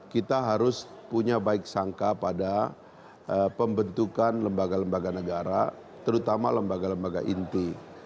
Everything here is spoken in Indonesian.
kita harus punya baik sangka pada pembentukan lembaga lembaga negara terutama lembaga lembaga inti